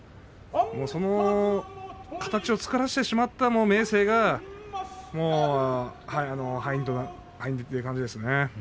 その形を作らせてしまった明生が敗因という感じですね。